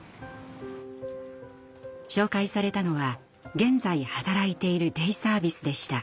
紹介されたのは現在働いているデイサービスでした。